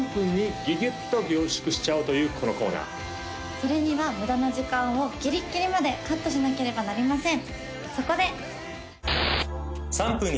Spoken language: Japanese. それには無駄な時間をギリッギリまでカットしなければなりません